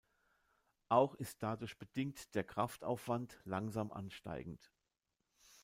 Auch ist dadurch bedingt der Kraftaufwand langsam ansteigend.